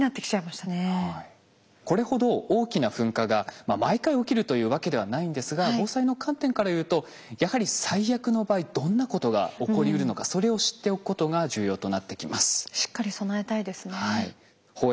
これほど大きな噴火が毎回起きるというわけではないんですが防災の観点から言うとやはり最悪の場合どんなことが起こりうるのかそれを知っておくことが重要となってきます。